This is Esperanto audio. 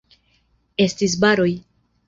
Estis baroj.